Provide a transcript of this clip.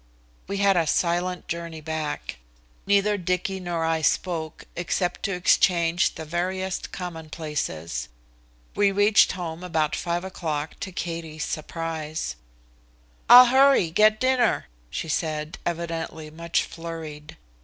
We had a silent journey back. Neither Dicky nor I spoke, except to exchange the veriest commonplaces. We reached home about 5 o'clock to Katie's surprise. "I'll hurry, get dinner," she said, evidently much flurried.